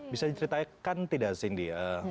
bisa diceritakan tidak cindy